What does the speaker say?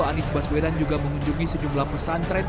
anies baswedan juga mengunjungi sejumlah pesantren